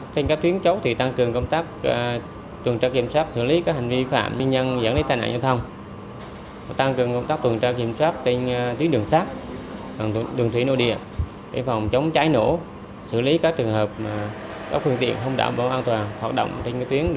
trên các tuyến chốt thì tăng cường công tác tuần tra